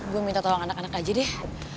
gue minta tolong anak anak aja deh